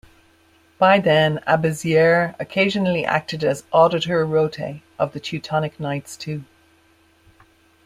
By then, Abezier occasionally acted as "Auditor Rotae" of the Teutonic Knights too.